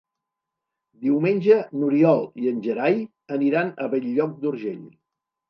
Diumenge n'Oriol i en Gerai aniran a Bell-lloc d'Urgell.